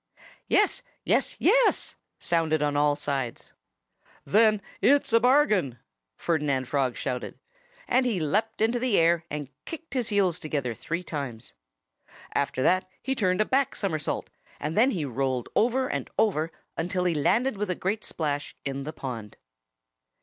"Yes! Yes! Yes!" sounded on all sides. "Then it's a bargain!" Ferdinand Frog shouted. And he leaped into the air and kicked his heels together three times. After that he turned a back somersault, and then he rolled over and over until he landed with a great splash in the pond.